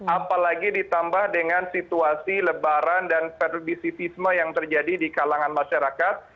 apalagi ditambah dengan situasi lebaran dan perbisifisme yang terjadi di kalangan masyarakat